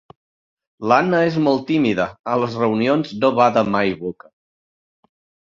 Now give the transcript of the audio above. L'Anna és molt tímida; a les reunions no bada mai boca.